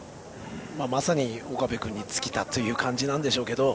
まさに岡部君に尽きたという感じなんでしょうけど